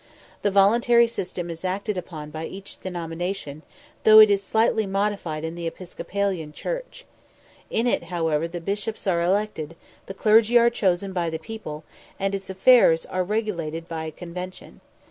The voluntary system is acted upon by each denomination, though it is slightly modified in the Episcopalian church. In it, however, the bishops are elected, the clergy are chosen by the people, and its affairs are regulated by a convention.